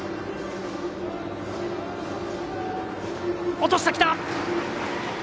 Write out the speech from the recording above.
落としてきた！